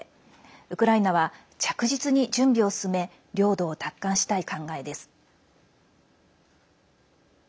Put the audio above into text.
ウクライナは着実に準備を進め領土を奪還したい考えです。